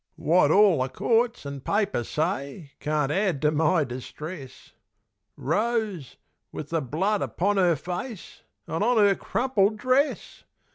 Wot all the courts an' papers say Can't add to my distress.... Rose, with the blood upon 'er face An' on 'er crumpled dress!